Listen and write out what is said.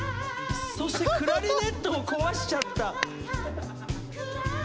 そして「クラリネットをこわしちゃった」。